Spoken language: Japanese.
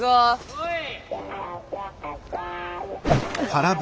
おい。